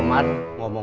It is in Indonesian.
kang bahat belum pensiun